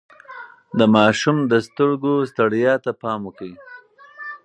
د ماشوم د سترګو ستړيا ته پام وکړئ.